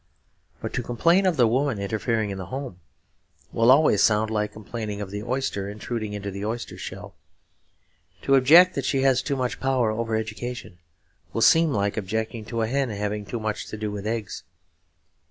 But to complain of the woman interfering in the home will always sound like complaining of the oyster intruding into the oyster shell. To object that she has too much power over education will seem like objecting to a hen having too much to do with eggs.